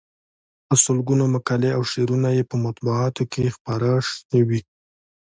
په سلګونو مقالې او شعرونه یې په مطبوعاتو کې خپاره شوي.